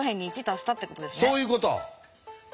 そういうこと。